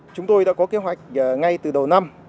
chúng tôi đã có kế hoạch ngay từ đầu năm